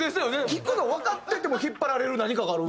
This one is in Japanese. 弾くのわかってても引っ張られる何かがある？